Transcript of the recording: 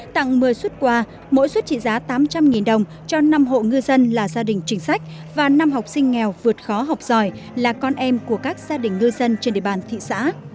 tặng một mươi xuất quà mỗi xuất trị giá tám trăm linh đồng cho năm hộ ngư dân là gia đình chính sách và năm học sinh nghèo vượt khó học giỏi là con em của các gia đình ngư dân trên địa bàn thị xã